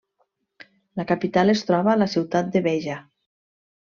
La capital es troba a la ciutat de Béja.